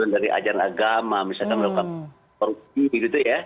dari ajaran agama misalnya melakukan perut diri gitu ya